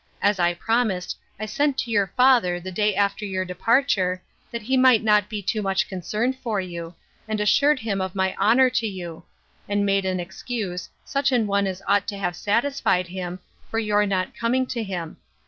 As I promised, I sent to your father the day after your departure, that he might not be too much concerned for you, and assured him of my honour to you; and made an excuse, such an one as ought to have satisfied him, for your not coming to him.